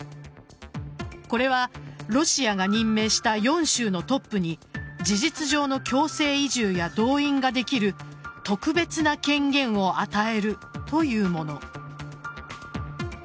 これはロシアが任命した４州のトップに事実上の強制移住や動員ができる特別な権限を与えるというもの。